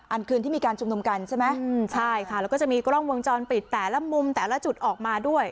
คืนที่มีการชุมนุมกันใช่ไหมใช่ค่ะแล้วก็จะมีกล้องวงจรปิดแต่ละมุมแต่ละจุดออกมาด้วย